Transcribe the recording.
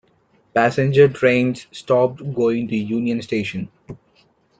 Passenger trains stopped going to Union Station.